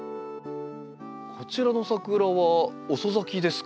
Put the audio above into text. こちらのサクラは遅咲きですか？